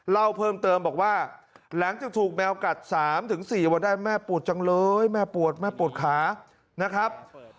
เล่าเพิ่มเติมบอกว่าหลังจากถูกแมวกัด๓๔วันได้แม่ปวดจังเลยแม่ปวดแม่ปวดขานะครับ